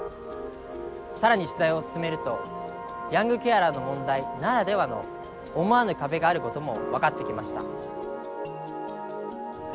更に取材を進めるとヤングケアラーの問題ならではの思わぬ壁があることも分かってきました。